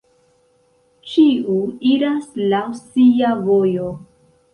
Ĉiu iras laŭ sia vojo!